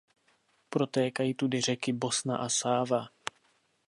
Protékají tudy řeky Bosna a Sáva.